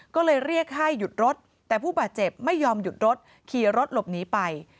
ก็เลยเรียกให้หยุดรถแต่ผู้บาดเจ็บไม่ยอมหยุดรถขี่รถหลบหนีไป